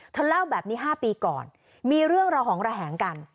เล่าแบบนี้๕ปีก่อนมีเรื่องระหองระแหงกัน